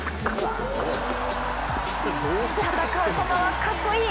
戦うパパはかっこいい！